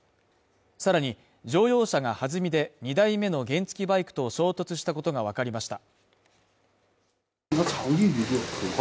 さらに、乗用車がはずみで２台目の原付バイクと衝突したことがわかりました。